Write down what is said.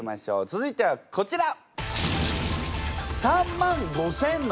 続いてはこちら！